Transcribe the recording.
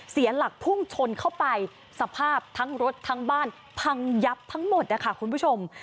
เสียหลักพุ่งชนเข้าไปสภาพทั้งรถทั้งบ้านพังยับทั้งหมดนะคะคุณผู้ชม